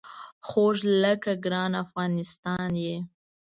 خوږ لکه ګران افغانستان یې